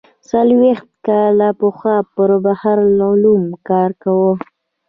څلوېښت کاله پخوا پر بحر العلوم کار کاوه.